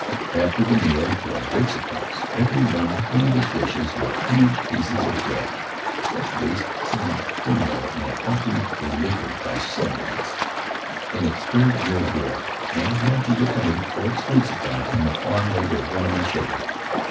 After the meal, to our great surprise, every one cleaned his dishes with huge pieces of bread. Such waste seemed criminal in a country beleaguered by submarines, in its third year of war, and largely dependent for its food supply on the farm labor of women and children.